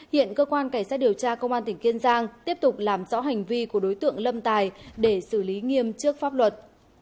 hiện cơ quan cảnh sát điều tra công an tỉnh kiên giang tiếp tục làm rõ hành vi của đối tượng lâm tài để xử lý nghiêm trước pháp luật